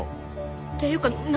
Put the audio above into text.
っていうかな